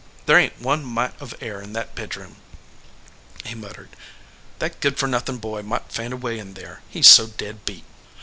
"There ain t one mite of air in that bedroom," he muttered. "That good for nothin boy might faint away in there, he s so dead beat."